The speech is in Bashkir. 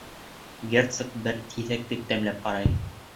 Герцог бер киҫәкте тәмләп ҡарай: